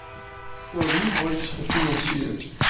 Door wie worden ze gefinancierd?